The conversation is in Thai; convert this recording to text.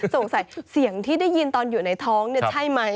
เสียงที่ได้ยินตอนอยู่ในท้องเนี่ยใช่ไหม